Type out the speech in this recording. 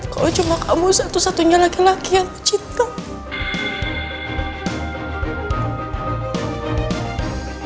kalau cuma kamu satu satunya laki laki yang cinta